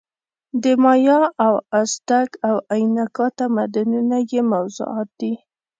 د مایا او ازتک او اینکا تمدنونه یې موضوعات دي.